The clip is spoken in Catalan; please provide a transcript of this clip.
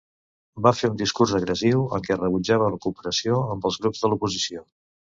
Va fer un discurs agressiu en què rebutjava la cooperació amb els grups de l'oposició.